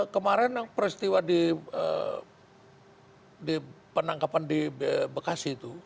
kemarin peristiwa di penangkapan di bekasi itu